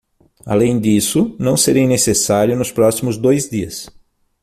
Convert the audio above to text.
Além disso, não serei necessário nos próximos dois dias.